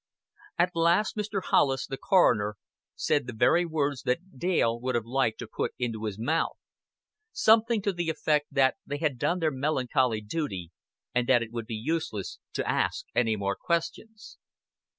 At last Mr. Hollis, the coroner, said the very words that Dale would have liked to put into his mouth something to the effect that they had done their melancholy duty and that it would be useless to ask any more questions.